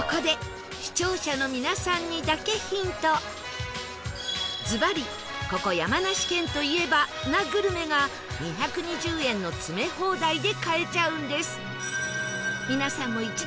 ここでずばりここ山梨県といえばなグルメが２２０円の詰め放題で買えちゃうんです